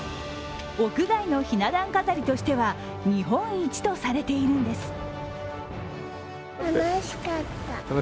屋外のひな壇飾りとしては日本一とされているんです。